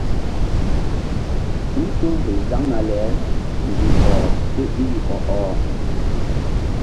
Ɓil few gel zaŋna le mbih ɔh ké iri ɔ-ɔh.